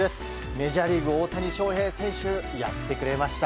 メジャーリーグ大谷翔平選手やってくれました。